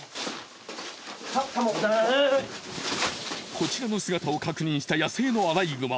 こちらの姿を確認した野生のアライグマ。